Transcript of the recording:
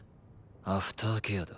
アフターケアだ。